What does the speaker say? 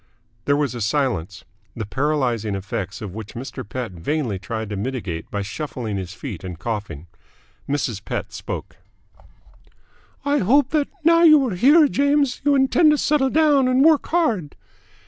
There was a silence, the paralysing effects of which Mr. Pett vainly tried to mitigate by shuffling his feet and coughing. Mrs. Pett spoke. "I hope that, now that you are here, James, you intend to settle down and work hard."